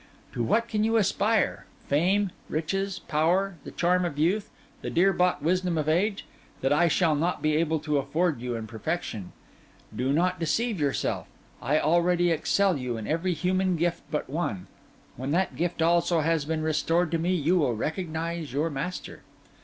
To what can you aspire—fame, riches, power, the charm of youth, the dear bought wisdom of age—that I shall not be able to afford you in perfection? Do not deceive yourself. I already excel you in every human gift but one: when that gift also has been restored to me you will recognise your master.